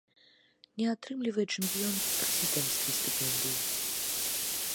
Не атрымлівае чэмпіён і прэзідэнцкай стыпендыі.